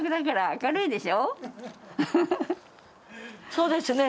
そうですね。